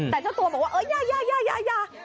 แต่เจ้าตัวบอกว่าเอออย่า